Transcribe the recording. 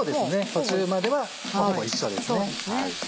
途中まではほぼ一緒ですね。